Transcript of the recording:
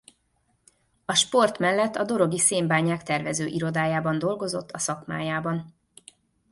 A sport mellett a Dorogi Szénbányák Tervezőirodájában dolgozott a szakmájában.